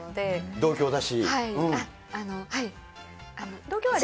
同郷だし。